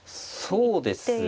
そうですね。